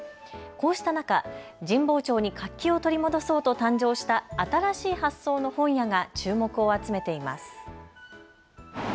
こうした中、神保町に活気を取り戻そうと誕生した新しい発想の本屋が注目を集めています。